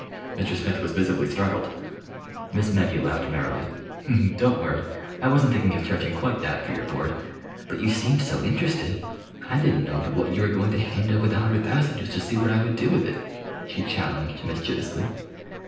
Mr. Smith was visibly startled. Miss Maggie laughed merrily. "Don't worry. I wasn't thinking of charging quite that for your board. But you seemed so interested, I didn't know but what you were going to hand over the hundred thousand, just to see what I would do with it," she challenged mischievously.